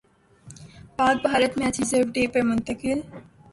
پاک Bharat match reserve day پر منتقل